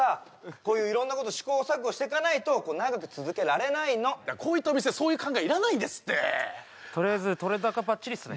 こういう色んなこと試行錯誤していかないと長く続けられないのこういったお店はそういう考えいらないんですってとりあえず撮れ高バッチリっすね